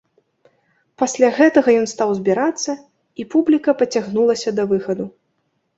Пасля гэтага ён стаў збірацца і публіка пацягнулася да выхаду.